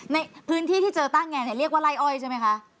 ในพื้นที่ที่เจอต้าแงเรียกว่าไล่อ้อยใช่ไหมคะ